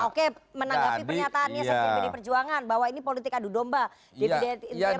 oke menanggapi pernyataannya saat pdi perjuangan